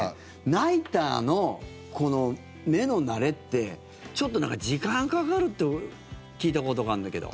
ナイターの目の慣れってちょっと時間がかかるって聞いたことがあるんだけど。